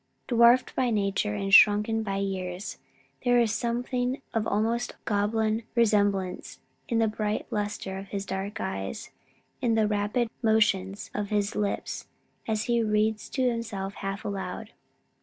Dwarfed by nature and shrunk by years, there is something of almost goblin semblance in the bright lustre of his dark eyes, and the rapid motion of his lips as he reads to himself half aloud.